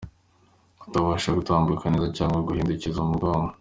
Kutabasha gutambuka neza cg guhindukiza umugongo.